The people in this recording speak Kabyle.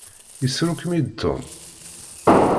Isru-kem-id Tom?